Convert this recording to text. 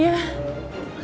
makasih banyak ya